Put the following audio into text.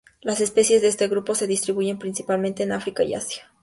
Las especies de este grupo se distribuyen principalmente en África y Asia.